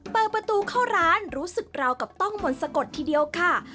เปิดประตูเข้าร้านรู้สึกราวกับต้องมนต์สะกดทีเดียวค่ะ